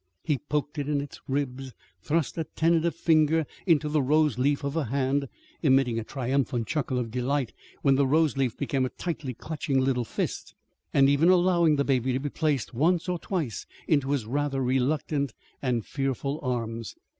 He poked it in its ribs, thrust a tentative finger into the rose leaf of a hand (emitting a triumphant chuckle of delight when the rose leaf became a tightly clutching little fist), and even allowed the baby to be placed one or twice in his rather reluctant and fearful arms.